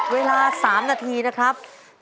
เวลา๓นาทีนะครับ